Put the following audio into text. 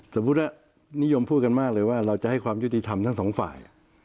สมมุติว่านิยมพูดกันมากเลยว่าเราจะให้ความยุติธรรมทั้งสองฝ่าย